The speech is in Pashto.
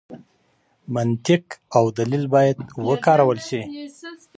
منطق او دلیل باید وکارول شي.